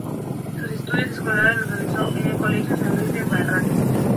Sus estudios escolares los realizó en el Colegio San Luis de Barranco.